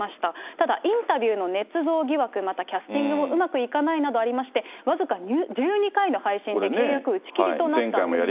ただ、インタビューのねつ造疑惑、またキャスティングもうまくいかないなどありまして、僅か１２回の配信で契約打ち切りとなったんですね。